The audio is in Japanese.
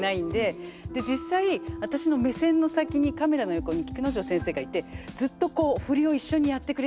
実際私の目線の先にカメラの横に菊之丞先生がいてずっとこう振りを一緒にやってくれてて。